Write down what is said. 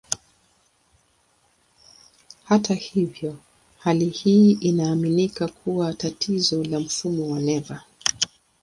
Hata hivyo, hali hii inaaminika kuwa tatizo la mfumo wa neva.